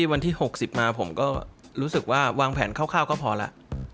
ที่วันที่หกสิบมาผมรู้สึกว่าวางแผนเข้าก็พอล่ะ